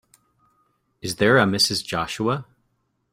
Is there a Mrs. Joshua?